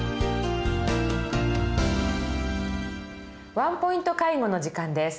「ワンポイント介護」の時間です。